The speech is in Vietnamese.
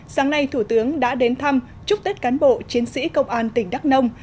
sáng nay thủ tướng đã đến thăm chúc tết cán bộ chiến sĩ công an tỉnh đắk nông